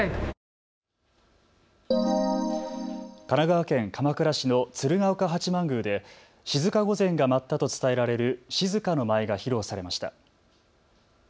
神奈川県鎌倉市の鶴岡八幡宮で静御前が舞ったと伝えられる静の舞が披露されました。